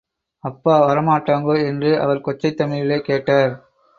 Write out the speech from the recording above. அப்பா வரமாட்டாங்கோ? என்று அவர் கொச்சைத் தமிழிலே கேட்டார்.